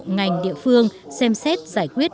ngành địa phương xem xét giải quyết